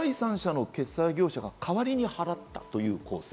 それを第三者の決済業者が代わりに払ったという構成。